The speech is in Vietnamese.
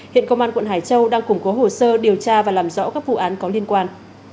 hiện công an quận hải châu đang củng cố hồ sơ điều tra và làm rõ các vụ án có liên quan